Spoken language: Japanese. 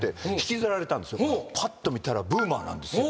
パッと見たらブーマーなんですよ。